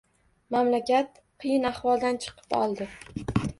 Mamlakat qiyin ahvoldan chiqib oldi.